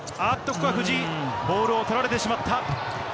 ここは藤井、ボールを取られてしまった。